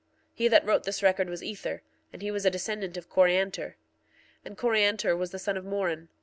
He that wrote this record was Ether, and he was a descendant of Coriantor. 1:7 Coriantor was the son of Moron.